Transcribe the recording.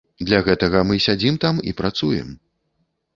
Для гэтага мы сядзім там і працуем.